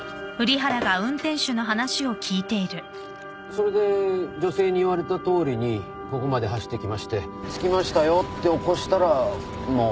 それで女性に言われたとおりにここまで走ってきまして着きましたよって起こしたらもう。